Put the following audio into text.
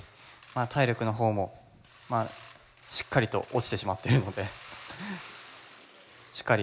あ体力の方もしっかりと落ちてしまっているのでしっかり